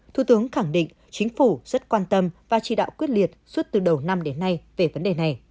thủ tướng khẳng định chính phủ rất quan tâm và chỉ đạo quyết liệt suốt từ đầu năm đến nay về vấn đề này